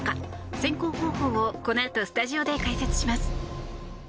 選考方法をこのあとスタジオで解説します。